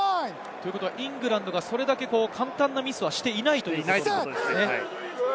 イングランドがそれだけ簡単なミスはしていないということですね。